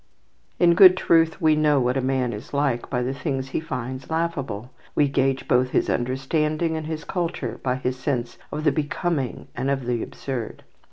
In good truth, we know what a man is like by the things he finds laughable, we gauge both his understanding and his culture by his sense of the becoming and of the absurd.